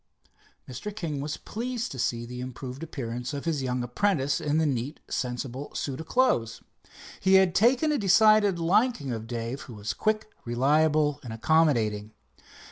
Mr. King was pleased to see the improved appearance of his young apprentice in a neat sensible suit of clothes. He had taken a decided liking to Dave, who was quick, reliable and accommodating.